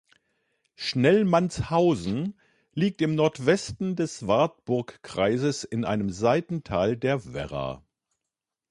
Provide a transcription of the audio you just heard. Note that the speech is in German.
Schnellmannshausen liegt im Nordwesten des Wartburgkreises in einem Seitental der Werra.